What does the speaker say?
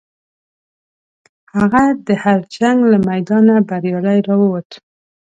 هغه د هر جنګ له میدانه بریالی راووت.